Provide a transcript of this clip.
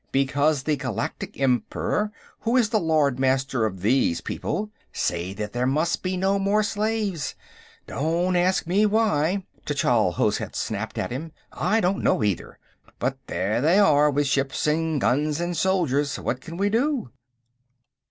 "Because the Galactic Emperor, who is the Lord Master of these people, says that there must be no more slaves. Don't ask me why," Tchall Hozhet snapped at him. "I don't know, either. But they are here with ships and guns and soldiers; what can we do?"